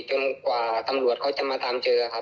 กว่าตำรวจเขาจะมาตามเจอครับ